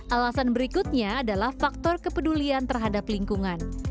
alasan berikutnya adalah faktor kepedulian terhadap lingkungan